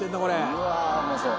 うわあうまそう。